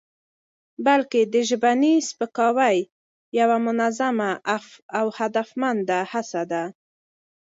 بلکې د ژبني سپکاوي یوه منظمه او هدفمنده هڅه ده؛